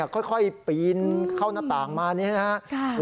ค่อยปีนเข้าหน้าต่างมานี่นะครับ